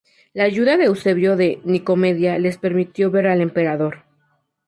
La ayuda de Eusebio de Nicomedia les permitió ver al Emperador.